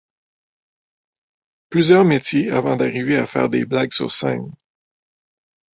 Plusieurs métiers avant d'arriver à faire des blagues sur scène.